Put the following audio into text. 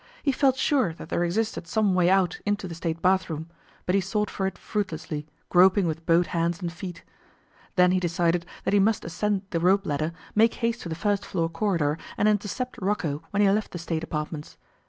He felt sure that there existed some way out into the State bathroom, but he sought for it fruitlessly, groping with both hands and feet. Then he decided that he must ascend the rope ladder, make haste for the first floor corridor, and intercept Rocco when he left the State apartments.